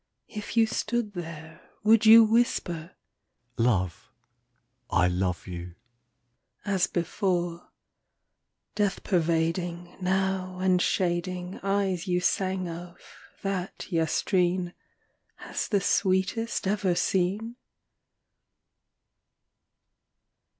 If you stood there, would you whisper "Love, I love you," as before, Death pervading Now, and shading Eyes you sang of, that yestreen, As the sweetest ever seen?